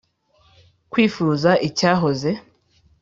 kwifuza icyahoze.